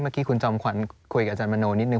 เมื่อกี้คุณจอมขวัญคุยกับอาจารย์มโนนิดนึ